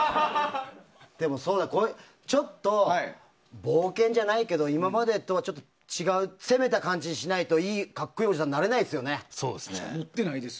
でもちょっと冒険じゃないけど今までとは違う攻めた感じにしないと格好いいおじさんになれないですよね。